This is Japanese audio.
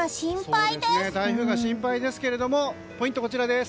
台風が心配ですけれどもポイントこちらです。